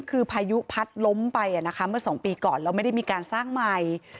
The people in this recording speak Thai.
คือพายุพัดล้มไปเมื่อ๒ปีก่อนแล้วไม่ได้มีการสร้างใหม่